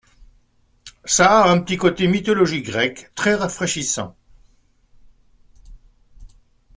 ça a un petit côté mythologie grecque très rafraîchissant.